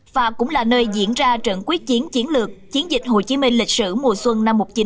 và cũng là nơi diễn ra trận quyết chiến chiến lược chiến dịch hồ chí minh lịch sử mùa xuân năm một nghìn chín trăm bảy mươi năm